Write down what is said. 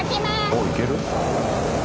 おいける？